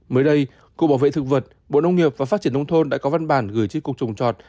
mới đây cục bảo vệ thực vật bộ nông nghiệp và phát triển nông thôn đã có văn bản gửi chiếc cục trồng trọt